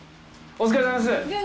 お疲れさまです